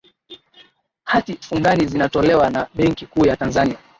hati fungani zinatolewa na benki kuu ya tanzania